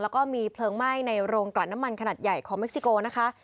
แล้วก็มีเพลิงไหม้ในโรงกลัดน้ำมันขนาดใหญ่ของเม็กซิโกนะคะ